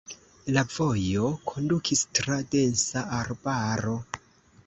La vojo kondukis tra densa arbaro.